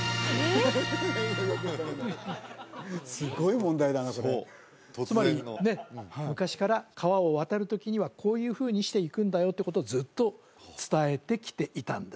すごい問題だな突然のつまりね昔から川を渡る時にはこういうふうにして行くんだよっていうことをずっと伝えてきていたんです